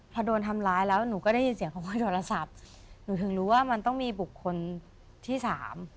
พอโดนทำร้ายแล้วหนูก็ได้ยินเสียงเขาก็โทรศัพท์หนูถึงรู้ว่ามันต้องมีบุคคลที่สาม